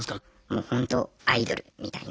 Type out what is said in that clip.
もうほんとアイドルみたいな。